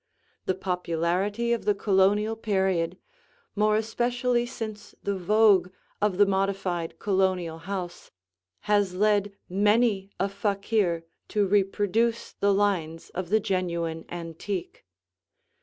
The popularity of the Colonial period, more especially since the vogue of the modified Colonial house, has led many a fakir to reproduce the lines of the genuine antique.